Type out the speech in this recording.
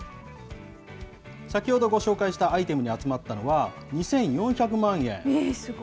先ほどご紹介したアイテムに集まったのは、２４００万円。